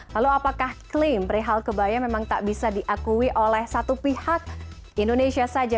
lalu apakah klaim perihal kebaya memang tak bisa diakui oleh satu pihak indonesia saja